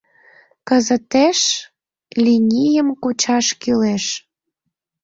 — Кызытеш линийым кучаш кӱлеш...